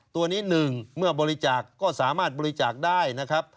ตัวนี้หนึ่งเมื่อบริจาคก็สามารถบริจาคได้นะครับ